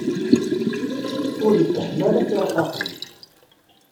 Ur ifehhem ara tirqaqin.